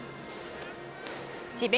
智弁